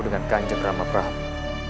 dengan kanjeng ramaprabu